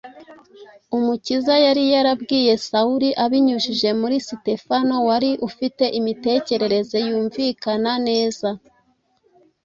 Umukiza yari yarabwiye Sawuli abinyujije muri Sitefano wari ufite imitekerereze yumvikana neza.